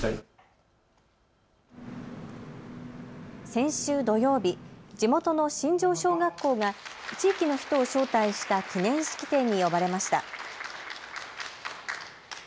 先週土曜日、地元の新城小学校が地域の人を招待した記念式典に呼ばれました。